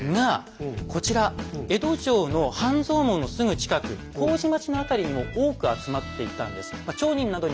こちら江戸城の半蔵門のすぐ近く麹町の辺りにも多く集まっていたんです。